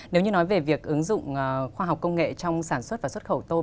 nếu như nói về việc ứng dụng khoa học công nghệ trong sản xuất và xuất khẩu tôm